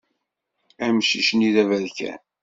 Amcic-nni d aberkan.